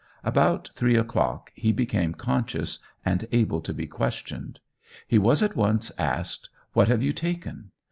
About three o'clock he became conscious and able to be questioned. He was at once asked, "What have you taken?"